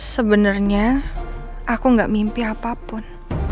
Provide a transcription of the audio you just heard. sebenarnya aku gak mimpi apapun